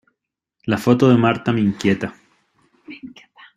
La foto de Marta me inquieta.